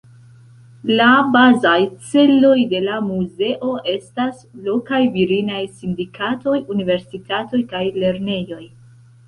La bazaj celoj de la muzeo estas lokaj virinaj sindikatoj, universitatoj kaj lernejoj.